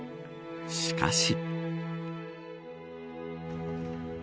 しかし。